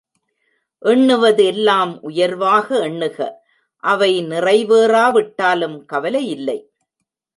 எண்ணுவது எல்லாம் உயர்வாக எண்ணுக அவை நிறைவேறாவிட்டாலும் கவலை இல்லை.